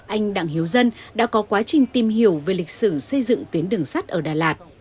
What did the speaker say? anh đặng hiếu dân đã có quá trình tìm hiểu về lịch sử xây dựng tuyến đường sắt ở đà lạt